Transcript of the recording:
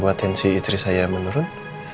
buat tensi istri saya menurun